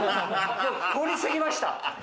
こりすぎました。